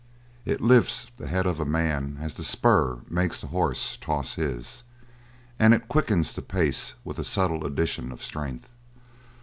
It lifts the head of a man as the spur makes the horse toss his; and it quickens the pace with a subtle addition of strength.